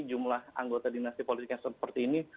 jumlah anggota dinasti politik yang seperti ini